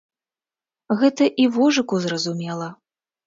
Гэта і вожыку зразумела.